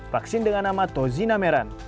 vaksin dengan nama tozinameran